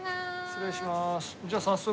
失礼します。